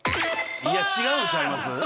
いや違うんちゃいます？